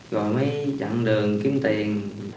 rồi mới chặn đường kiếm tiền